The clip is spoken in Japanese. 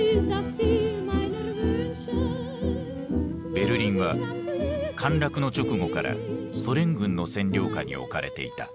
ベルリンは陥落の直後からソ連軍の占領下に置かれていた。